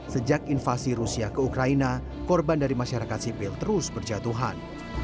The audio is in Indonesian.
sejak invasi rusia ke ukraina korban dari masyarakat sipil terus berjatuhan